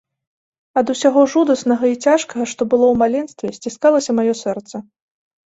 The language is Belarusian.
Ад усяго жудаснага і цяжкага, што было ў маленстве, сціскалася маё сэрца.